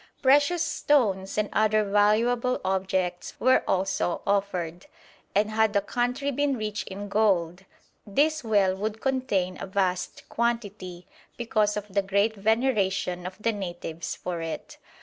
Precious stones and other valuable objects were also offered; and had the country been rich in gold, this well would contain a vast quantity, because of the great veneration of the natives for it....